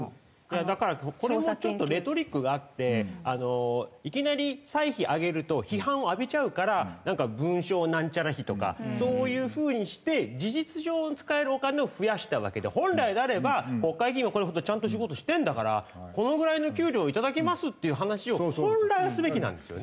だからこれもちょっとレトリックがあっていきなり歳費上げると批判を浴びちゃうからなんか文書ナンチャラ費とかそういう風にして事実上使えるお金を増やしたわけで本来であれば国会議員はちゃんと仕事してるんだからこのぐらいの給料をいただきますっていう話を本来はすべきなんですよね。